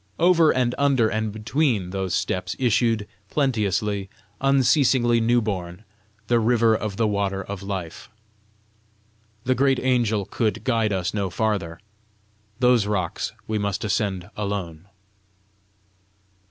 Over and under and between those steps issued, plenteously, unceasingly new born, the river of the water of life. The great angel could guide us no farther: those rocks we must ascend alone!